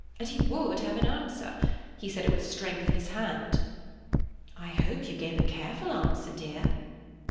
And he would have an answer—he said it would strengthen his hand." "I hope you gave a careful answer, dear."